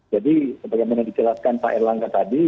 jadi sebagaimana dijelaskan pak erlangga tadi